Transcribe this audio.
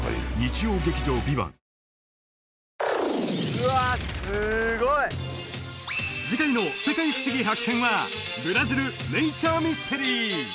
うわっすごい次回の「世界ふしぎ発見！」はブラジルネイチャーミステリー